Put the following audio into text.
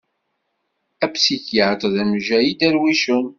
Apsikyatr d amejjay n idarwicen.